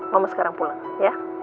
mama sekarang pulang ya